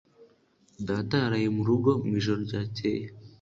Data yaraye mu rugo mu ijoro ryakeye